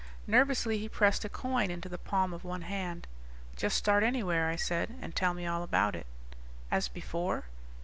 Nervously he pressed a coin into the palm of one hand. "Just start anywhere," I said, "and tell me all about it." "As before?"